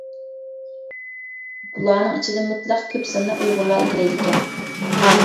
بۇلارنىڭ ئىچىدە مۇتلەق كۆپ ساننى ئۇيغۇرلار ئىگىلەيدىكەن.